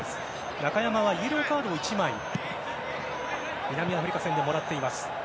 中山はイエローカードを１枚南アフリカ戦でもらっています。